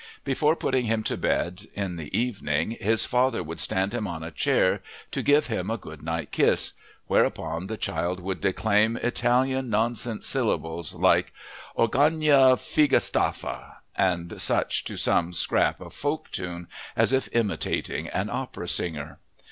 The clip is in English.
Before putting him to bed in the evening his father would stand him on a chair to give him a good night kiss, whereupon the child would declaim Italian nonsense syllables, like "oragnia figatafa" and such, to some scrap of folk tune, as if imitating an opera singer.